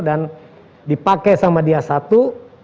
dan dipakai sama dia satu